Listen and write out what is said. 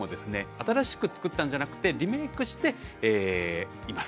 新しく作ったんじゃなくてリメークしています。